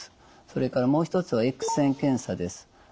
それからもう一つはＸ線検査です。